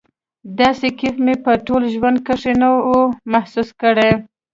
داسې کيف مې په ټول ژوند کښې نه و محسوس کړى.